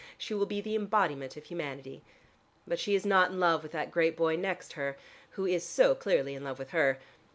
She will be the embodiment of humanity. But she is not in love with that great boy next her, who is so clearly in love with her.